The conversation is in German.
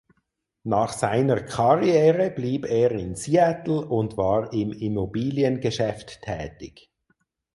Nach seiner Karriere blieb er in Seattle und war im Immobiliengeschäft tätig.